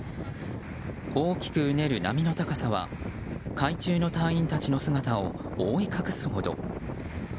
大きくうねる波の高さは海中の隊員たちの姿を覆い隠すほど。